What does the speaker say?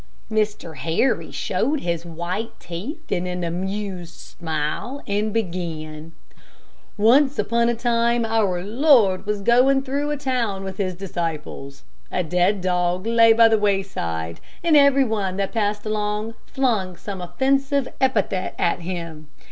Mr. Harry showed his white teeth in an amused smile, and began: "Once upon a time our Lord was going through a town with his disciples. A dead dog lay by the wayside, and every one that passed along flung some offensive epithet at him.